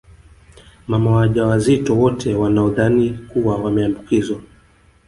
Mama waja wazito wote wanaodhani kuwa wameambukizwa